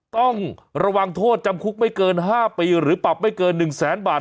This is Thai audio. ต้องระวังโทษจำคุกไม่เกิน๕ปีหรือปรับไม่เกิน๑แสนบาท